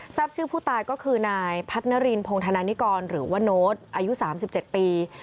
ทราบชื่อผู้ตายก็คือนายพัฒนารินพงธนานิกรหรือว่าโน้ตอายุ๓๗ปี